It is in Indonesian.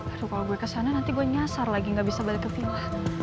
aduh kalau gue kesana nanti gue nyasar lagi nggak bisa balik ke villa